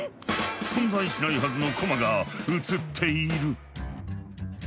存在しないはずの駒が映っている！